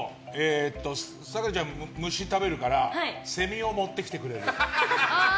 咲楽ちゃん、虫食べるからセミを持ってきてくれる。